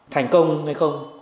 thành công hay không